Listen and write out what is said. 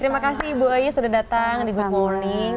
terima kasih ibu ayu sudah datang di good morning